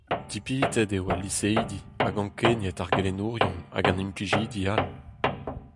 Dipitet eo al liseidi hag ankeniet ar gelennerien hag an implijidi all.